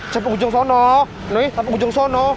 sampai ujung sana louis sampai ujung sana